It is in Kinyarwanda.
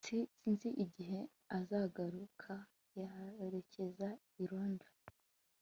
S Sinzi igihe azahaguruka yerekeza i Londres